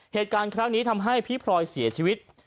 เหตุการณ์ครั้งนี้ทำให้พี่พลอยเสียชีวิต